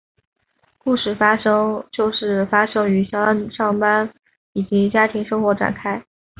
故事就是发生于肖恩的上班以及家庭生活展开。